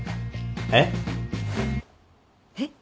えっ？えっ？